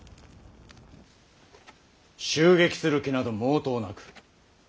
襲撃する気など毛頭なく。